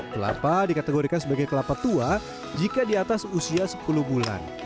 kelapa dikategorikan sebagai kelapa tua jika di atas usia sepuluh bulan